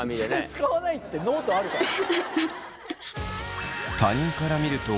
使わないってノートあるから。